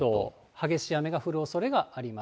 激しい雨が降るおそれがあります。